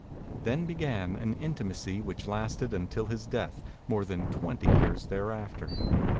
Then began an intimacy which lasted until his death more than twenty years thereafter.